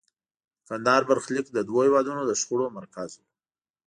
د کندهار برخلیک د دوو هېوادونو د شخړو مرکز و.